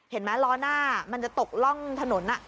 เห็นมั้ยรอหน้ามันจะตกร่องถนนอะ